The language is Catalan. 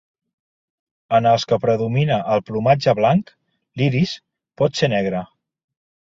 En els que predomina el plomatge blanc, l'iris pot ser negre.